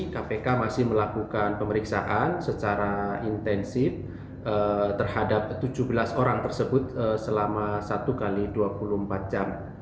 kpk masih melakukan pemeriksaan secara intensif terhadap tujuh belas orang tersebut selama satu x dua puluh empat jam